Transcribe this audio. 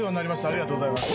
ありがとうございます。